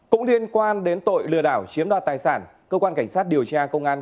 cũng liên quan đến tội lừa đảo chiếm đoạt tài sản cơ quan cảnh sát điều tra công an